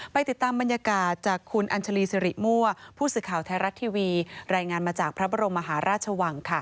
ติดตามบรรยากาศจากคุณอัญชาลีสิริมั่วผู้สื่อข่าวไทยรัฐทีวีรายงานมาจากพระบรมมหาราชวัง